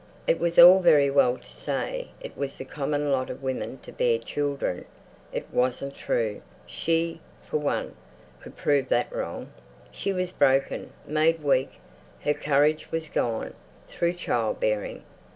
It was all very well to say it was the common lot of women to bear children. It wasn't true. She, for one, could prove that wrong. She was broken, made weak, her courage was gone, through child bearing.